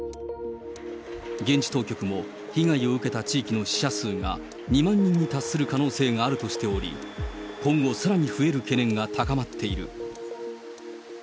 現地当局も被害を受けた地域の死者数が２万人に達する可能性があるとしており、今後さらに増える懸念が高まっている。